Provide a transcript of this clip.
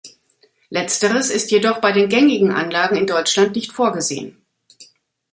Letzteres ist jedoch bei den gängigen Anlagen in Deutschland nicht vorgesehen.